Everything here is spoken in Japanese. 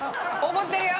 怒ってるよ。